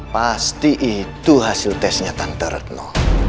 pasti itu hasil tesnya tante retno